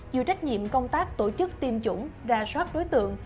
chịu trách nhiệm công tác tổ chức tiêm chủng ra soát đối tượng